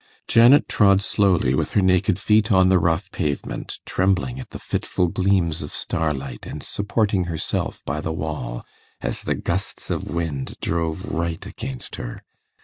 Janet trod slowly with her naked feet on the rough pavement, trembling at the fitful gleams of starlight, and supporting herself by the wall, as the gusts of wind drove right against her.